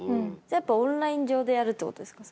オンライン上でやるってことですか？